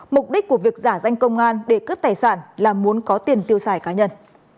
mục đích của việc giả danh công an để cướp tài sản là muốn có tiền tiêu xài cá nhân